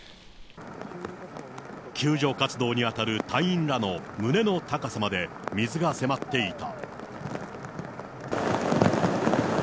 救助活動に当たる隊員らの胸の高さまで水が迫っていた。